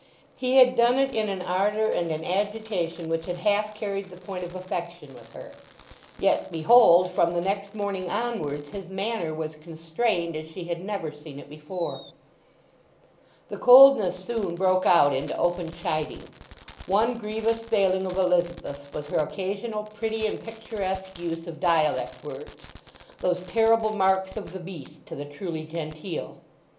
He had done it in an ardour and an agitation which had half carried the point of affection with her; yet, behold, from the next morning onwards his manner was constrained as she had never seen it before. The coldness soon broke out into open chiding. One grievous failing of Elizabeth's was her occasional pretty and picturesque use of dialect words—those terrible marks of the beast to the truly genteel.